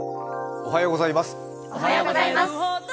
おはようございます。